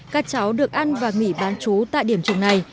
các cháu được ăn và nghỉ bán chú tại điểm trường này